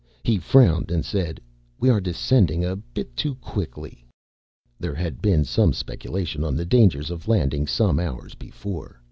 He frowned and said, "We are descending a bit too quickly." There had been some speculation on the dangers of landing some hours before.